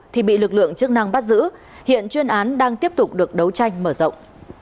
thì bị lực lượng chức năng bắt giữ hiện chuyên án đang tiếp tục được đấu tranh mở rộng